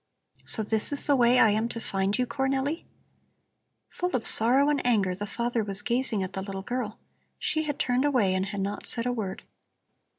So this is the way I am to find you, Cornelli." Full of sorrow and anger, the father was gazing at the little girl. She had turned away and had not said a word.